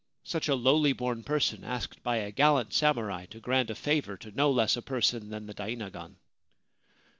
Such a lowly born person, asked by a gallant samurai to grant a favour to no less a person than the dainagon